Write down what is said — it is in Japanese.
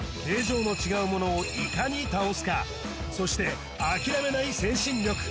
形状の違うものをいかに倒すかそしてあきらめない精神力